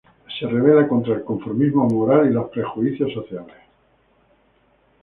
Se rebela contra el conformismo moral y los prejuicios sociales.